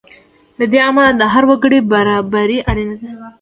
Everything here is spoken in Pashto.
له دې امله د هر وګړي برابري اړینه ده.